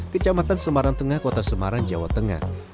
kecamatan semarang tengah kota semarang jawa tengah